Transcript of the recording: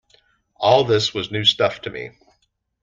All this was new stuff to me.